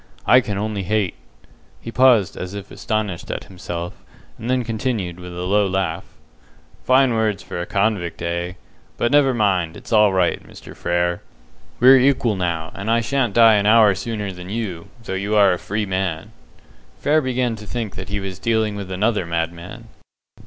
I can only hate!" He paused as if astonished at himself, and then continued, with a low laugh. "Fine words for a convict, eh! But, never mind, it's all right, Mr. Frere; we're equal now, and I sha'n't die an hour sooner than you, though you are a 'free man'!" Frere began to think that he was dealing with another madman.